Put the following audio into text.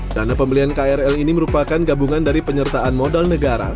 dana pembelian krl ini merupakan gabungan dari penyertaan modal negara